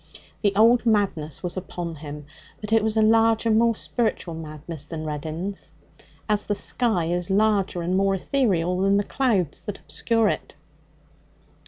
The old madness was upon him, but it was a larger, more spiritual madness than Reddin's, as the sky is larger and more ethereal than the clouds that obscure it.